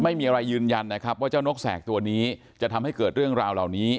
ไม่มีอะไรยืนยันนะครับว่าเจ้านกแสกตัวนี้จะทำให้เกิดเรื่องราวเหล่านี้